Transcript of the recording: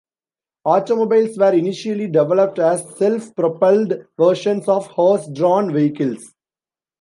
Automobiles were initially developed as self-propelled versions of horse-drawn vehicles.